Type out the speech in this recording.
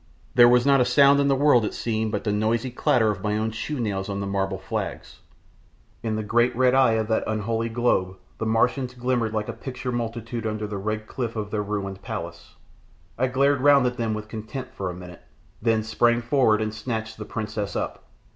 There was not a sound in the world, it seemed, but the noisy clatter of my own shoenails on the marble flags. In the great red eye of that unholy globe the Martians glimmered like a picture multitude under the red cliff of their ruined palace. I glared round at them with contempt for a minute, then sprang forward and snatched the princess up.